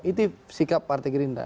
itu sikap partai gerida